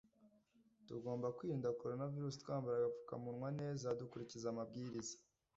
Tugomba kwirinda koronavirusi twambara agapfuka munwa neza dukurikiza amabwiriza